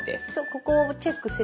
ここをチェックすれば。